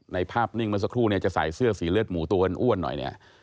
ในภาพนิ่งมาสักครู่จะใส่เสื้อสีเลือดหมูตัวอ้อนหน่อยเนี่ย